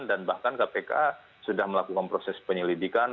dan bahkan kpk sudah melakukan proses penyelidikan